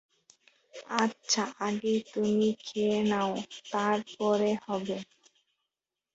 আচ্ছা, আগে তুমি খেয়ে নাও, তার পরে হবে।